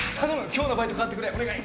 今日のバイト代わってくれお願い。